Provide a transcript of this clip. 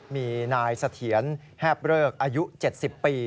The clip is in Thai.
มีนายสะเทียนแฮบเลิกอายุ๗๐ปี